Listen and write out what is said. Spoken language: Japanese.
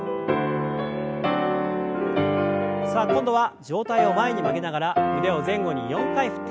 さあ今度は上体を前に曲げながら腕を前後に４回振って。